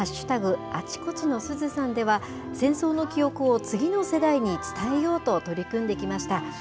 あちこちのすずさんでは、戦争の記憶を次の世代に伝えようと取り組んできました。